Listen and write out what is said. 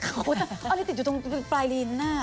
อะไรติดอยู่ตรงปลายลิ้น